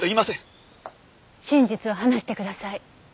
真実を話してください。